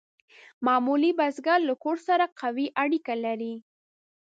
معمولي بزګر له کور سره قوي اړیکې لرلې.